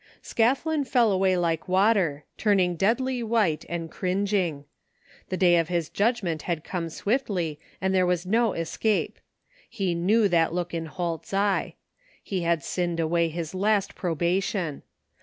Scathlin fell away Uke water, turning deadly white and cringing. The day of his judgment had come swiftly, and there was no escape. He knew that look in Holt's eye. He had sinned away his last probation.